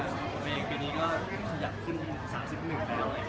ผมเองปีนี้ก็ขยับขึ้น๓๑แล้ว